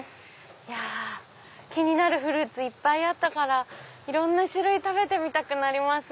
いや気になるフルーツいっぱいあったからいろんな種類食べたくなります。